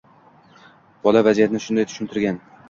Bola vaziyatni shunday tushuntirgan.